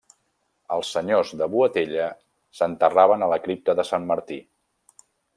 Els senyors de Boatella s'enterraven a la cripta de Sant Martí.